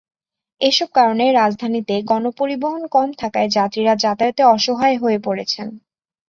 এসব কারণে রাজধানীতে গণপরিবহন কম থাকায় যাত্রীরা যাতায়াতে অসহায় হয়ে পড়েছেন।